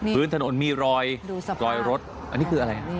พื้นถนนมีรอยรอยรถอันนี้คืออะไร